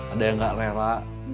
ada yang gak rela